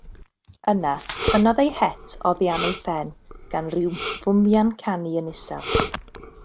Yna, tynnodd ei het oddi am ei phen, gan ryw fwmian canu yn isel.